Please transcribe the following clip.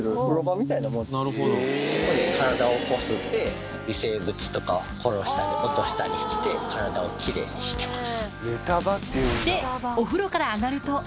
そこで体をこすって微生物とかを殺したり落としたりして体を奇麗にしてます。